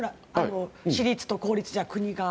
私立と公立じゃ国が。